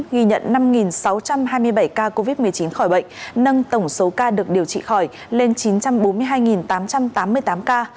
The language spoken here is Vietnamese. ghi nhận năm sáu trăm hai mươi bảy ca covid một mươi chín khỏi bệnh nâng tổng số ca được điều trị khỏi lên chín trăm bốn mươi hai tám trăm tám mươi tám ca